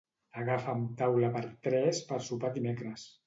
Agafa'm taula per tres per sopar dimecres.